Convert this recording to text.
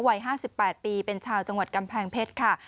วัย๕๘ปีเป็นชาวจังหวัดกำแพงเพชรค่ะ